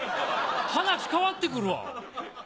話変わってくるわ。